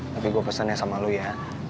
nanti gua pesannya sama lu ya